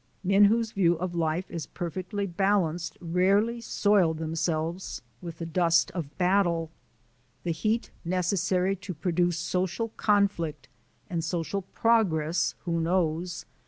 Men whose view of life is perfectly balanced rarely soil themselves with the dust of battle. The heat necessary to produce social conflict (and social progress who knows?)